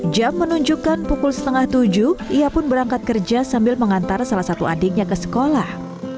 jam menunjukkan pukul setengah tujuh ia pun berangkat kerja sambil mengantar salah satu adiknya ke sekolah